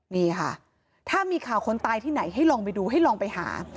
นี่ค่ะถ้ามีข่าวคนตายที่ไหนให้ลองไปดูให้ลองไปหา